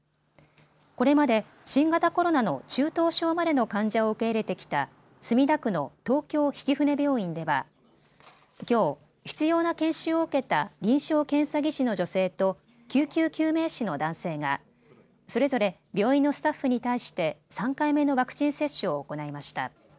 これまで新型コロナの中等症までの患者を受け入れてきた墨田区の東京曳舟病院ではきょう必要な研修を受けた臨床検査技師の女性と救急救命士の男性がそれぞれ病院のスタッフに対して３回目のワクチン接種を行いました。